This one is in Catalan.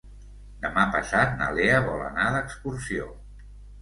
Demà passat na Lea vol anar d'excursió.